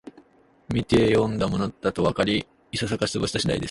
みてよんだものだとわかり、いささか失望した次第です